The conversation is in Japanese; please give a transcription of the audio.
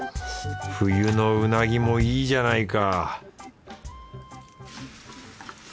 冬のうなぎもいいじゃないか